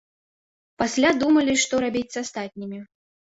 Пасля думалі, што рабіць з астатнімі.